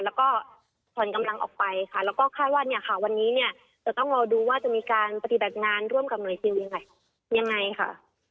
แล้วก็ผ่อนกำลังออกไปค่ะแล้วก็คาดว่าเนี่ยค่ะวันนี้เนี่ยจะต้องรอดูว่าจะมีการปฏิบัติงานร่วมกับหน่วยซิลยังไงยังไงค่ะ